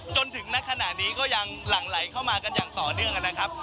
จนถึงณขณะนี้ก็ยังหลั่งไหลเข้ามากันอย่างต่อเนื่องนะครับ